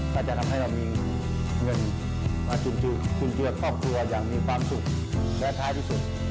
ก็จะทำให้เรามีเงินมาจุนเจือครอบครัวอย่างมีความสุขและท้ายที่สุด